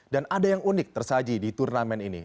dan ada yang unik tersaji di turnamen ini